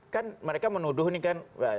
kan mereka menuduh ini kan